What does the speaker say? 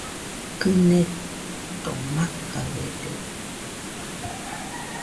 Kɨnedo makaɨede